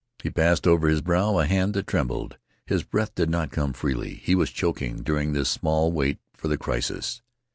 He passed over his brow a hand that trembled. His breath did not come freely. He was choking during this small wait for the crisis.